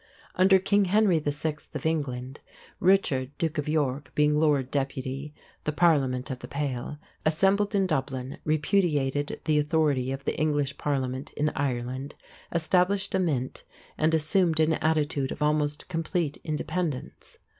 Under King Henry VI. of England, Richard, Duke of York, being Lord Deputy, the Parliament of the Pale, assembled in Dublin, repudiated the authority of the English Parliament in Ireland, established a mint, and assumed an attitude of almost complete independence.